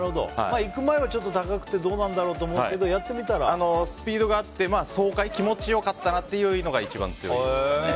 行く前は、高くてどうなんだろうと思うけどスピードがあって気持ち良かったなというのが一番強いです。